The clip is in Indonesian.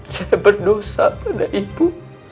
saya berdosa pada ibu